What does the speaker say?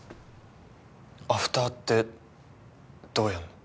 アフターってどうやんの？